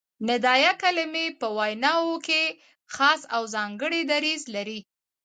ندائیه کلیمې په ویناوو کښي خاص او ځانګړی دریځ لري.